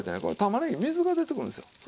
これ玉ねぎ水が出てくるんですよ。